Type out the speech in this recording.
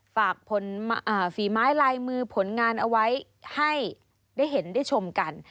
ฝากผลฝีไม้ลายมือผลงานเอาไว้ให้ได้เห็นได้ชมกัน